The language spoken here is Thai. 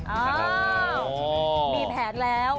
อ๋อมีแผงแล้ว